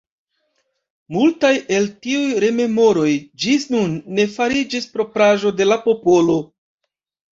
Multaj el tiuj rememoroj ĝis nun ne fariĝis propraĵo de la popolo.